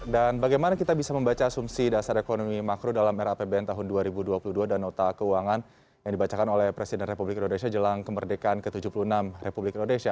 dan bagaimana kita bisa membaca asumsi dasar ekonomi makro dalam rapbn tahun dua ribu dua puluh dua dan nota keuangan yang dibacakan oleh presiden republik indonesia jelang kemerdekaan ke tujuh puluh enam republik indonesia